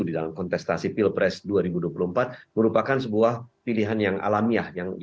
di dalam kontestasi pilpres dua ribu dua puluh empat merupakan sebuah pilihan yang alamiah